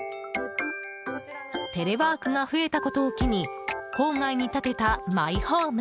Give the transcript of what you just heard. テレワークが増えたことを機に郊外に建てたマイホーム。